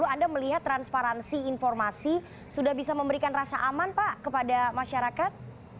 anda melihat transparansi informasi sudah bisa memberikan rasa aman pak kepada masyarakat